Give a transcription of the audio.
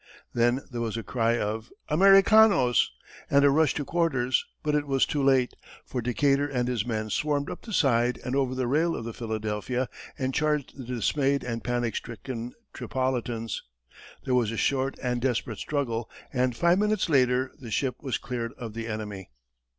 Then there was a cry of "Americanos!" and a rush to quarters, but it was too late, for Decatur and his men swarmed up the side and over the rail of the Philadelphia, and charged the dismayed and panic stricken Tripolitans. There was a short and desperate struggle, and five minutes later, the ship was cleared of the enemy.